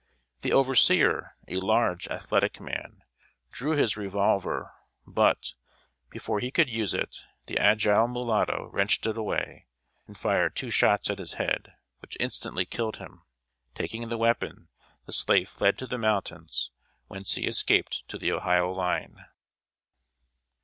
The overseer, a large, athletic man, drew his revolver; but, before he could use it, the agile mulatto wrenched it away, and fired two shots at his head, which instantly killed him. Taking the weapon, the slave fled to the mountains, whence he escaped to the Ohio line.